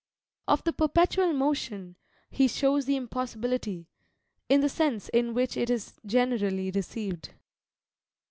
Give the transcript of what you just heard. Of the Perpetual Motion, he shows the impossibility, in the sense in which it is generally received.